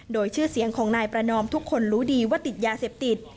โดยชื่อเสียงของนายประนอมทุกคนรู้ดีว่าติดยาเสพติด